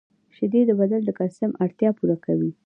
• شیدې د بدن د کلسیم اړتیا پوره کوي.